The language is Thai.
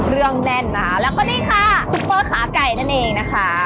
เรื่องแน่นนะคะแล้วก็นี่ค่ะซุปเปอร์ขาไก่นั่นเองนะคะ